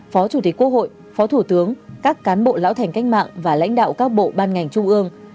phó chủ tịch quốc hội phó thủ tướng các cán bộ lão thành cách mạng và lãnh đạo các bộ ban ngành trung ương